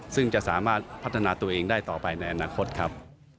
ซึ่งจะสามารถพัฒนาตัวเองได้ต่อไปในอนาคตครับ